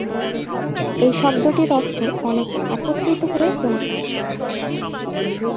এই শব্দটির অর্থ অনেকে একত্রিত হয়ে কোন কাজ করা।